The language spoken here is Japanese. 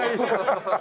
ハハハ！